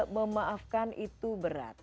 memaafkan itu berat